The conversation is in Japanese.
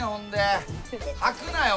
吐くなよ